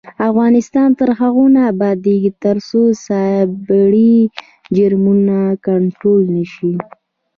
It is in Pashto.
افغانستان تر هغو نه ابادیږي، ترڅو سایبري جرمونه کنټرول نشي.